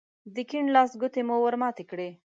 د کيڼ لاس ګوتې مو ور ماتې کړې.